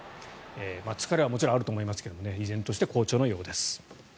力はもちろんあると思いますが依然として好調のようです。